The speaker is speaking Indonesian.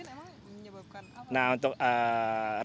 nah resikonya kan kooperasi itu kan terbuat dari waterproof ya